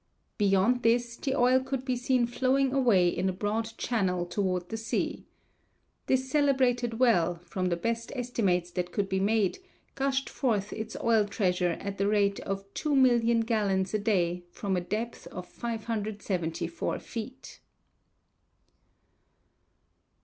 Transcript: Beyond this the oil could be seen flowing away in a broad channel toward the sea. This celebrated well, from the best estimates that could be made, gushed forth its oil treasure at the rate of 2,000,000 gallons a day from a depth of 574 feet."